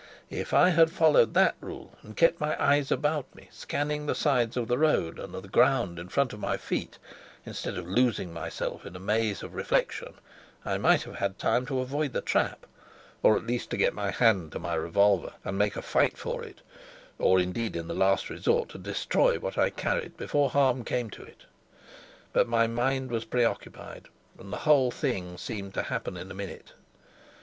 If I had followed that rule and kept my eyes about me, scanning the sides of the road and the ground in front of my feet, instead of losing myself in a maze of reflection, I might have had time to avoid the trap, or at least to get my hand to my revolver and make a fight for it; or, indeed, in the last resort, to destroy what I carried before harm came to it. But my mind was preoccupied, and the whole thing seemed to happen in a minute.